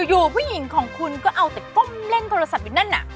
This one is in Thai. อยู่ผู้หญิงของคุณก็เอาแต่ก้มเล่นโทรศัพท์อยู่นั่นน่ะ